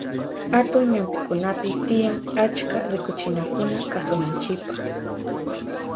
Atun ñampikunapi tiyan achka rikuchinakuna kasunanchipa.